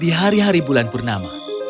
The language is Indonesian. di hari hari bulan purnama